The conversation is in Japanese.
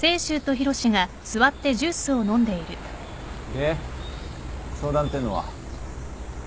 で相談っていうのは？